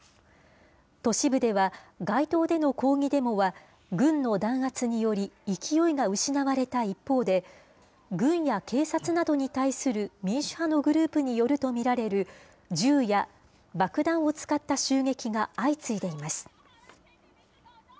都市部では、街頭での抗議デモは、軍の弾圧により、勢いが失われた一方で、軍や警察などに対する民主派のグループによると見られる銃や爆弾を使った襲撃が相次いでいます。